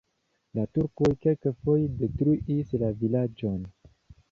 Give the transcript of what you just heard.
La turkoj kelkfoje detruis la vilaĝon.